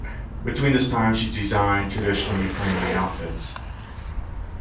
Between this time she designed traditional Ukrainian outfits.